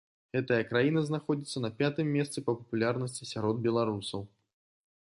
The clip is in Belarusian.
Гэтая краіна знаходзіцца на пятым месцы па папулярнасці сярод беларусаў.